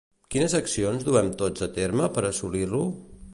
Quines accions duem tots a terme per assolir-ho?